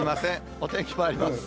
お天気まいります。